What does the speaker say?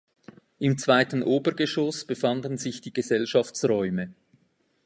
Im zweiten Obergeschoss befanden sich die Gesellschaftsräume.